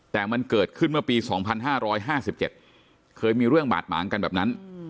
แต่มันเกิดขึ้นเมื่อปี๒๕๕๗เคยมีเรื่องบาดหมางกันแบบนั้น